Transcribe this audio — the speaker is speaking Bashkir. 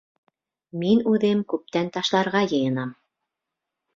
Мин үҙем күптән ташларға йыйынам.